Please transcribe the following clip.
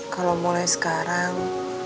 kalau mulai sekarang